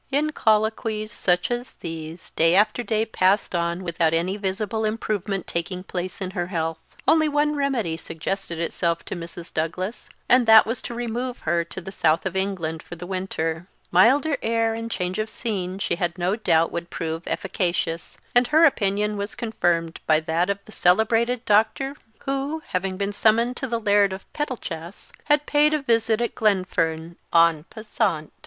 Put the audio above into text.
In colloquies such as these day after day passed on without any visible improvement taking place in her health. Only one remedy suggested itself to Mrs. Douglas, and that was to remove her to the south of England for the winter. Milder air and change of scene she had no doubt would prove efficacious; and her opinion was confirmed by that of the celebrated Dr. , who, having been summoned to the Laird of Pettlechass, had paid a visit at Glenfern _en passant.